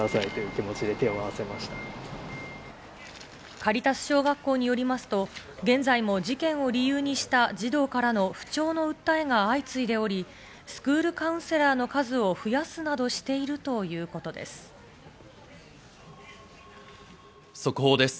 カリタス小学校によりますと、現在も事件を理由にした児童からの不調の訴えが相次いでおり、スクールカウンセラーの数を増やすなどしているということです。